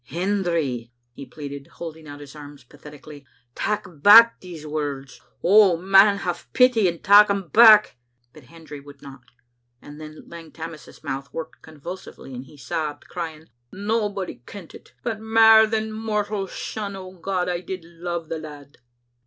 " Hendry," he pleaded, holding out his arms patheti cally, "tak' back these words. Oh, man, have pity, andtak' them back!" But Hendry would not, and then Lang Tammas's mouth worked convulsively, and he sobbed, crying, " Nobody kent it, but mair than mortal son, O God, I did love the lad!"